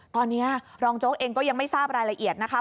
ตอนนี้รองโจ๊กเองก็ยังไม่ทราบรายละเอียดนะคะ